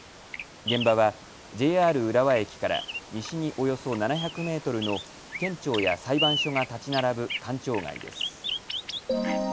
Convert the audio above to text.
現場はＪＲ浦和駅から西におよそ７００メートルの県庁や裁判所が建ち並ぶ官庁街です。